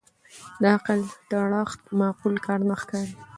د عقل تړښت معقول کار نه ښکاري